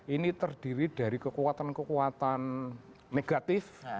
ini terdiri dari kekuatan kekuatan negatif